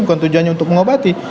bukan tujuannya untuk mengobati